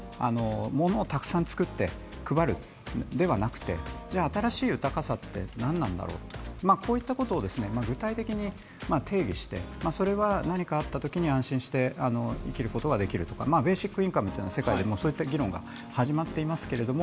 物をたくさん作って配るではなくて新しい豊かさって何なんだろうとこういったことを具体的に定義して、何かあったときに安心して生きることができるとかベーシックインカムというのは、世界でも議論が始まっていますけれども、